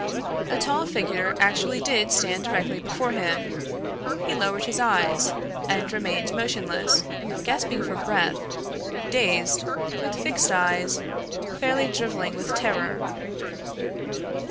A tall figure actually did stand directly before him. He lowered his eyes and remained motionless, gasping for breath, dazed, with fixed eyes, fairly driveling with terror.